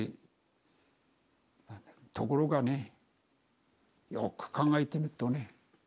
ところがねよく考えてみっとね